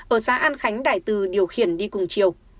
ở xã an khánh đại từ điều khiển đi cùng chiều